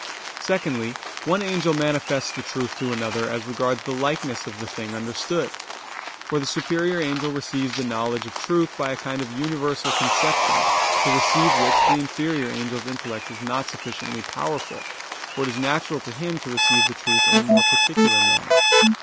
Secondly, one angel manifests the truth to another as regards the likeness of the thing understood. For the superior angel receives the knowledge of truth by a kind of universal conception, to receive which the inferior angel's intellect is not sufficiently powerful, for it is natural to him to receive truth in a more particular manner.